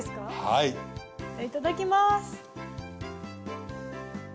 いただきます。